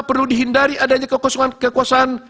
perlu dihindari adanya kekosongan kekuasaan